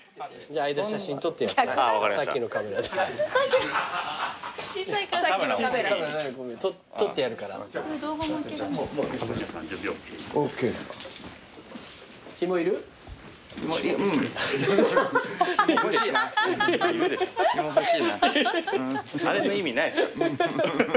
あれの意味ないですから。